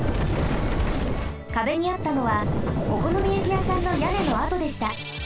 かべにあったのはおこのみやきやさんのやねのあとでした。